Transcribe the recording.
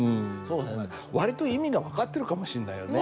割と意味が分かってるかもしんないよね。